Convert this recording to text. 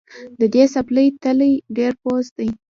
د دې څپلۍ تلی ډېر پوست دی